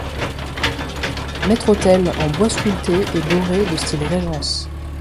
Maitre-autel en bois sculpté et doré de style régence.